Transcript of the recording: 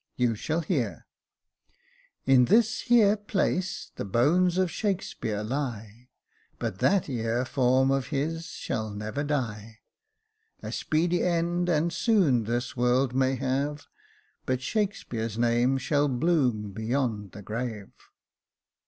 You shall hear :" In thit here place the bones of Shakespeare lie, But that ere form of his shall never die ; A speedy end and soon this World may have, But Shakespeare's name shall bloom beyond the grave."